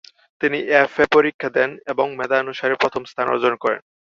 তিনি F. A পরীক্ষা দেন এবং মেধানুসারে প্রথম স্থান অর্জন করেন।